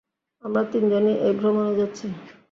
আমরা তিনজনই এই ভ্রমনে যাচ্ছি।